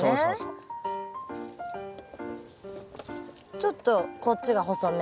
ちょっとこっちが細め。